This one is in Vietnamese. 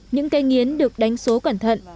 những cây nghiến được đánh số cẩn thận